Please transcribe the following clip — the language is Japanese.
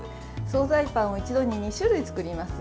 総菜パンを一度に２種類作ります。